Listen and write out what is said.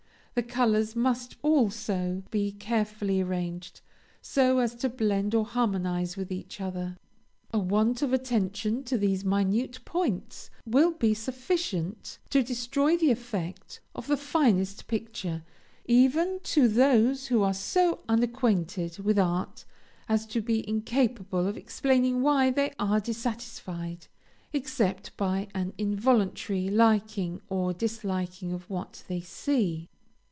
The colors must also be carefully arranged, so as to blend or harmonize with each other. A want of attention to these minute points will be sufficient to destroy the effect of the finest picture, even to those who are so unacquainted with art as to be incapable of explaining why they are dissatisfied, except by an involuntary liking or disliking of what they see.